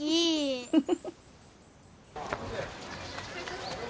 フフフフ。